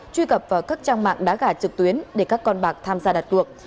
truy cập vào các trang mạng đá gà trực tuyến để các con bạc tham gia đặt tuộc